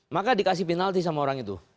maka dikasih penalti sama orang itu